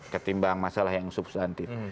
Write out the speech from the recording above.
ketimbang masalah yang subsantif